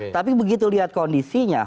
tapi begitu lihat kondisinya